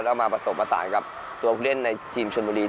แล้วมาประสบประสานกับตัวผู้เล่นในทีมชนวิรีย์